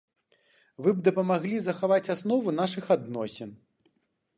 Вы б дапамаглі захаваць аснову нашых адносін.